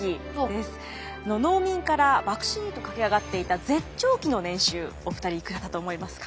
農民から幕臣へと駆け上がっていた絶頂期の年収お二人いくらだと思いますか？